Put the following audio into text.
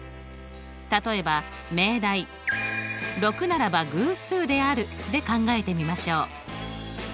例えば命題「６ならば偶数である」で考えてみましょう。